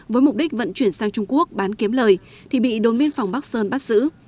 với mục đích vận chuyển sang trung quốc bán kiếm lời thì bị đồn biên phòng bắc sơn bắt giữ